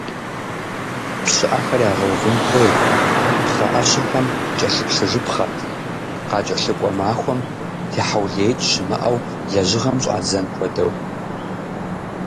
ПщыӀэхэр ягъэувын хуейт, пхъэӀэщэхэм кӀэлъыплъыжыпхъэт, къыкӀэлъыкӀуэ махуэм техьэулеикӀ щымыӀэу лэжьыгъэм щӀадзэн хуэдэу.